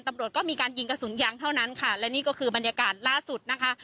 ตำรวจก็มีการยิงกระสุนยางเท่านั้นค่ะและนี่ก็คือบรรยากาศล่าสุดนะคะ